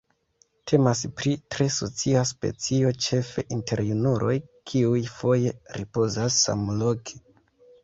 Temas pri tre socia specio, ĉefe inter junuloj kiuj foje ripozas samloke.